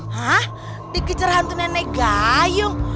hah dikejar hantu nenek gayung